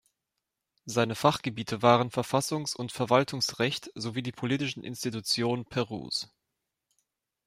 Seine Fachgebiete waren Verfassungs- und Verwaltungsrecht sowie die politischen Institutionen Perus.